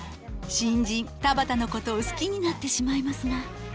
新人田畑のことを好きになってしまいますが。